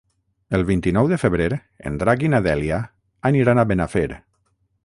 El vint-i-nou de febrer en Drac i na Dèlia aniran a Benafer.